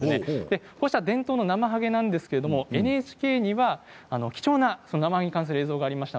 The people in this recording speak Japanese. こうした伝統のなまはげですがＮＨＫには貴重ななまはげに関する映像がありました。